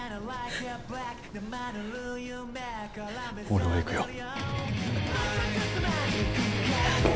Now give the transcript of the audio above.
俺は行くよ。